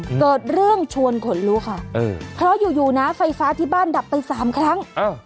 เกิดเรื่องชวนขนลุกค่ะเออเพราะอยู่อยู่นะไฟฟ้าที่บ้านดับไปสามครั้งอ้าว